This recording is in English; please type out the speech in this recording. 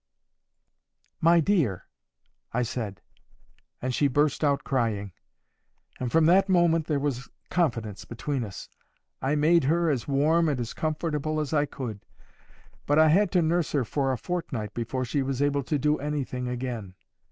"My dear!" I said; and she burst out crying, and from that moment there was confidence between us. I made her as warm and as comfortable as I could, but I had to nurse her for a fortnight before she was able to do anything again.